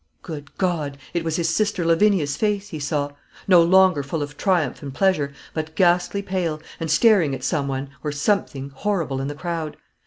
Good God! It was his sister Lavinia's face he saw; no longer full of triumph and pleasure, but ghastly pale, and staring at someone or something horrible in the crowd.